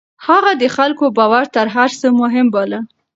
هغه د خلکو باور تر هر څه مهم باله.